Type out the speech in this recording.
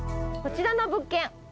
こちらの物件